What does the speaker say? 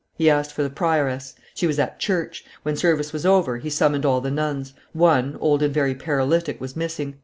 He asked for the prioress; she was at church: when service was over, he summoned all the nuns; one, old and very paralytic, was missing.